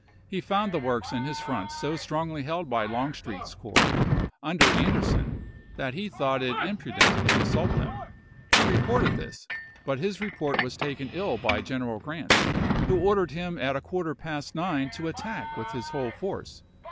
He found the works in his front so strongly held by Longstreet's corps, under Ander son, that he thought it imprudent to assault them ; he reported this, but his report was taken ill by G eneral Grant, who ordered him at a quarter past nine to attack with his whole force.